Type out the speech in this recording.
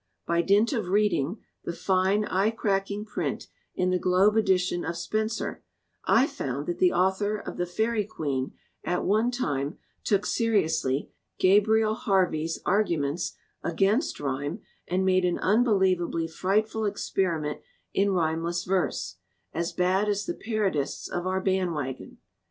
By dint of reading the fine eye cracking print in the Globe Edition of Spenser I found that the author of the Faerie Queen at one time took seriously Gabriel Harvey's argu ments against rhyme and made an unbelievably frightful experiment in rhymeless verse as bad as the parodists of our band wagon.